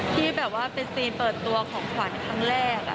ที่แบบว่าเป็นซีนเปิดตัวของขวัญครั้งแรก